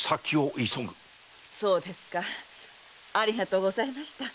そうですかありがとうございました。